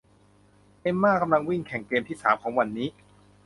เอมม่ากำลังวิ่งแข่งเกมที่สามของวันนี้